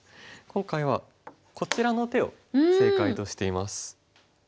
今回はこちらの手を正解としています。